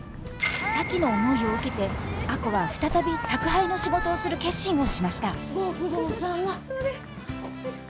咲妃の思いを受けて亜子は再び宅配の仕事をする決心をしましたご苦労さま。